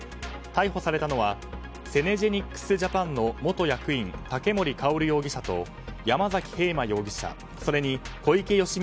逮捕されたのはセネジェニックス・ジャパンの元役員、竹森郁容疑者と山崎平馬容疑者、それに小池宣